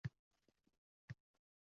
Aybdorni shaxsiy ishi muhokama bo‘ldi.